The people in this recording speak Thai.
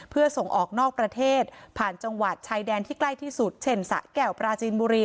เพื่อส่งออกนอกประเทศผ่านจังหวัดชายแดนที่ใกล้ที่สุดเช่นสะแก้วปราจีนบุรี